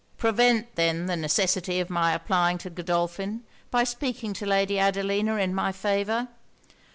'Prevent then the necessity of my applying to Godolphin by speaking to Lady Adelina in my favour.